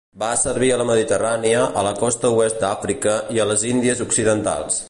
Va servir a la Mediterrània, a la costa oest d'Àfrica i a les Índies Occidentals.